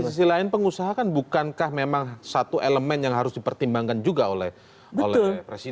di sisi lain pengusaha kan bukankah memang satu elemen yang harus dipertimbangkan juga oleh presiden